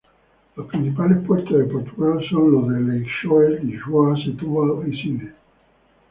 Los principales puertos de Portugal son los de Leixões, Lisboa, Setúbal y Sines.